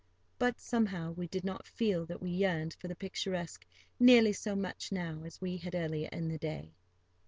But, somehow, we did not feel that we yearned for the picturesque nearly so much now as we had earlier in the day.